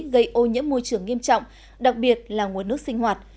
gây ô nhiễm môi trường nghiêm trọng đặc biệt là nguồn nước sinh hoạt